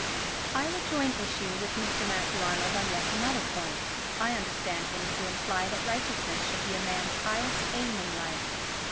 I would join issue with Mr. Matthew Arnold on yet another point. I understand him to imply that righteousness should be a man's highest aim in life.